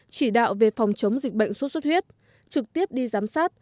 chỉ đạo về phòng chống dịch bệnh sốt xuất huyết trực tiếp đi giám sát